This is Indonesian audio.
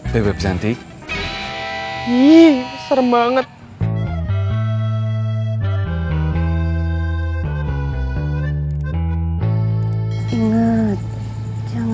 maksud dari kita itu